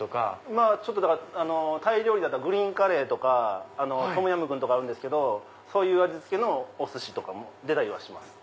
まぁタイ料理だったらグリーンカレーとかトムヤムクンあるけどそういう味付けのおすしとかも出たりはします。